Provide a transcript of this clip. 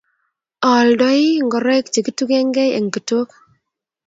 Aaldei ngoroik che kitugengei eng' kitok